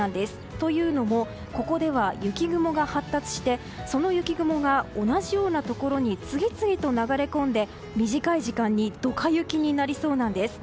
というのもここでは雪雲が発達してその雪雲が同じようなところに次々と流れ込んで短い時間にドカ雪になりそうなんです。